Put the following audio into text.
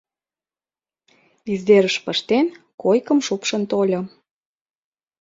Издерыш пыштен, койкым шупшын тольо.